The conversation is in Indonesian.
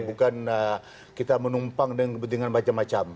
bukan kita menumpang dengan kepentingan macam macam